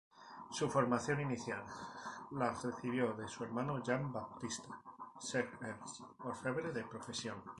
Su formación inicial la recibió de su hermano Jan Baptista Seghers, orfebre de profesión.